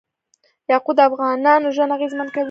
یاقوت د افغانانو ژوند اغېزمن کوي.